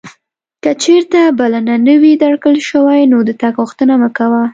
که چیرته بلنه نه وې درکړل شوې نو د تګ غوښتنه مه کوه.